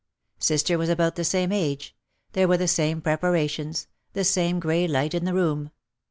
Sister was about the same age, there were the same preparations, the same grey light in the room.